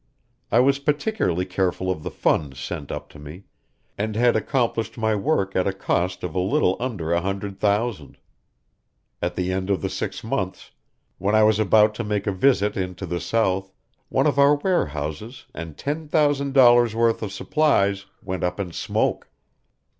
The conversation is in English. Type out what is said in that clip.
I was particularly careful of the funds sent up to me, and had accomplished my work at a cost of a little under a hundred thousand. At the end of the six months, when I was about to make a visit into the south, one of our warehouses and ten thousand dollars' worth of supplies went up in smoke.